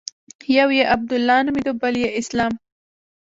يو يې عبدالله نومېده بل يې اسلام.